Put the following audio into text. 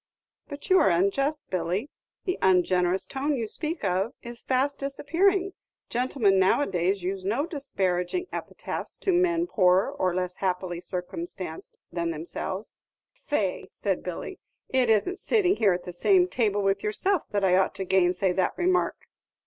"But you are unjust, Billy; the ungenerous tone you speak of is fast disappearing. Gentlemen nowadays use no disparaging epithets to men poorer or less happily circumstanced than themselves." "Faix," said Billy, "it isn't sitting here at the same table with yourself that I ought to gainsay that remark."